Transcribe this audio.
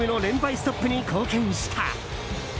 ストップに貢献した。